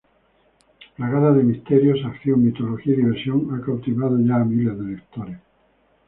Plagada de misterios, acción, mitología y diversión, ha cautivado ya a miles de lectores.